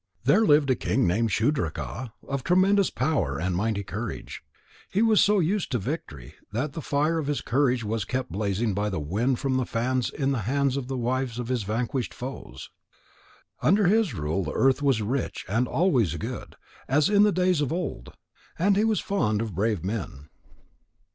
There lived a king named Shudraka, of tremendous power and mighty courage. He was so used to victory that the fire of his courage was kept blazing by the wind from the fans in the hands of the wives of his vanquished foes. Under his rule the earth was rich and always good, as in the days of old. And he was fond of brave men.